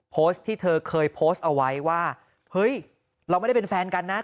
โพสต์ที่เธอเคยโพสต์เอาไว้ว่าเฮ้ยเราไม่ได้เป็นแฟนกันนะ